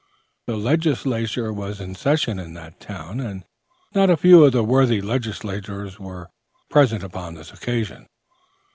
The Legislature was in session in that town, and not a few of the worthy legislators were present upon this occasion.